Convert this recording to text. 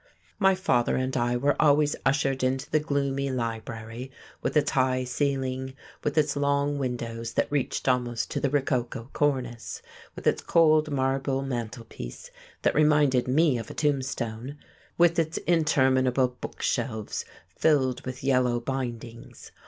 My father and I were always ushered into the gloomy library, with its high ceiling, with its long windows that reached almost to the rococo cornice, with its cold marble mantelpiece that reminded me of a tombstone, with its interminable book shelves filled with yellow bindings.